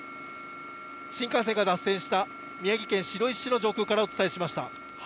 新幹線が脱線した宮城県白石市の上空からお伝えしました。